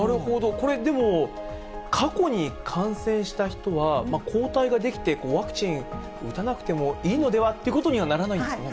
これでも、過去に感染した人は、抗体が出来て、ワクチン打たなくてもいいのではっていうことにならないんですよ